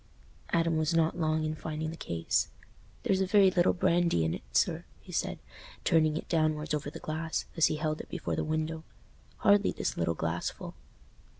Adam was not long in finding the case. "There's very little brandy in it, sir," he said, turning it downwards over the glass, as he held it before the window; "hardly this little glassful."